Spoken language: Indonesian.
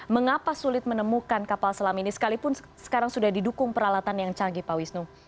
mengapa sulit menemukan kapal selam ini sekalipun sekarang sudah didukung peralatan yang canggih pak wisnu